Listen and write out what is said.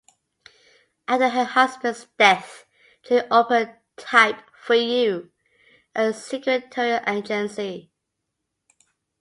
After her husband's death, Jean opened Type for You, a secretarial agency.